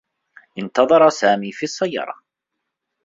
انتظر سامي في السّيّارة.